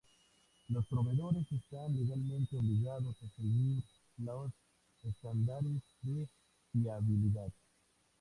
Los proveedores están legalmente obligados a seguir los estándares de fiabilidad.